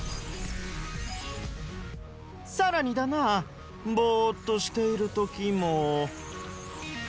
さらにだなぼっとしているときも。